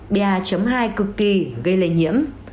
ba hai cực kỳ gây lây nhiễm